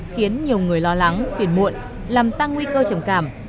khiến nhiều người lo lắng tuyển muộn làm tăng nguy cơ trầm cảm